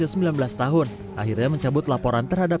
ya yang memaafkan terus